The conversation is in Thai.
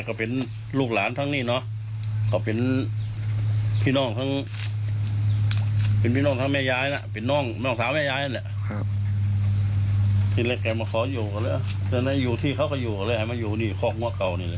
ก็เลยให้มาอยู่ในห้องเมื่อเก่า